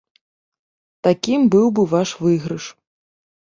Такім бы быў ваш выйгрыш.